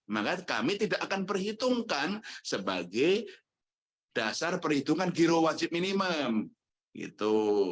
maka kami tidak akan perhitungkan sebagai dasar perhitungan giro wajib minimum gitu